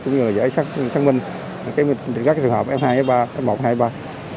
cũng như dễ xác minh các trường hợp f hai f ba f một f hai f ba